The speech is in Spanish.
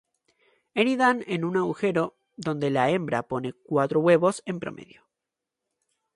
Anidan en un agujero donde la hembra pone cuatro huevos en promedio.